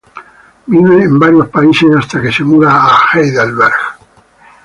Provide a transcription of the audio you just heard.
Vive en varios países hasta que se muda a Heidelberg.